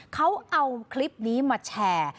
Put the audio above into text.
เขาเอาคลิปนี้มาแชร์